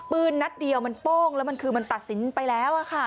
นัดเดียวมันโป้งแล้วมันคือมันตัดสินไปแล้วค่ะ